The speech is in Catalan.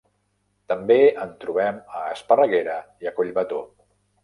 També en trobem a Esparreguera i a Collbató.